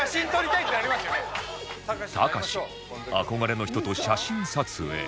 たかし憧れの人と写真撮影